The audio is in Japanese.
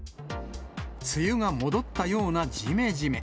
梅雨が戻ったようなじめじめ。